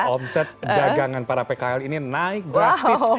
omset dagangan para pkl ini naik drastis